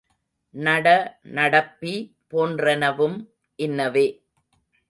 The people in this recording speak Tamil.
நட, நடப்பி போன்றனவும் இன்னவே.